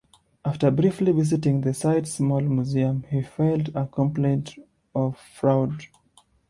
After briefly visiting the site's small museum, he filed a complaint of fraud.